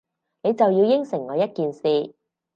你就要應承我一件事